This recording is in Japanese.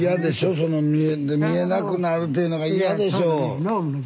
その見えなくなるっていうのが嫌でしょう。